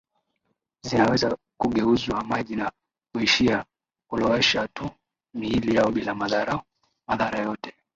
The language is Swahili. zinaweza kugeuzwa maji na kuishia kulowesha tu miili yao bila madhara yoyote